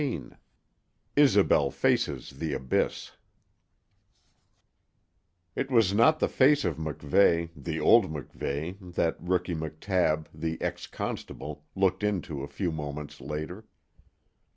XVII ISOBEL FACES THE ABYSS It was not the face of MacVeigh the old MacVeigh that Rookie McTabb, the ex constable, looked into a few moments later.